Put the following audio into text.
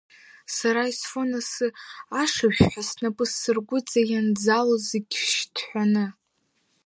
Сара исфон асы, ашыжәҳәа снапсыргәыҵа ианӡалоз зегь шьҭҳәаны.